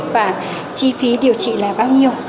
và chi phí điều trị là bao nhiêu